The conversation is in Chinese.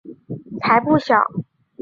才不小！